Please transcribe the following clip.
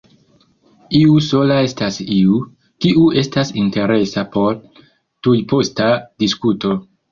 Iu sola estas iu, kiu estas interesa por tujposta diskuto.